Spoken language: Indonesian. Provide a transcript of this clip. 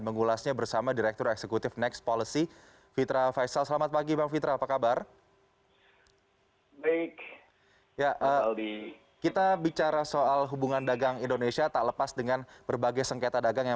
pertanyaan dari pertanyaan pertanyaan